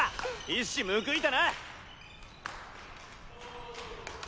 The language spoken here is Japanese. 一矢報いたな！